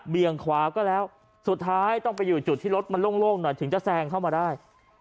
ขวาก็แล้วสุดท้ายต้องไปอยู่จุดที่รถมันโล่งหน่อยถึงจะแซงเข้ามาได้